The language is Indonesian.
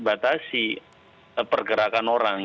membatasi pergerakan orang